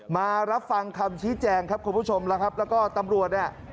มารับฟังคำชี้แจงครับคุณผู้ชมแล้วก็ตำรวจ